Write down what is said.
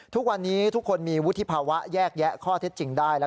ทุกวันนี้ทุกคนมีวุฒิภาวะแยกแยะข้อเท็จจริงได้